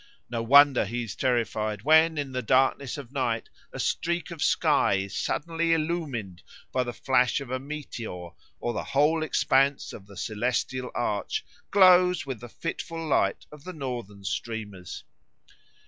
No wonder he is terrified when in the darkness of night a streak of sky is suddenly illumined by the flash of a meteor, or the whole expanse of the celestial arch glows with the fitful light of the Northern Streamers.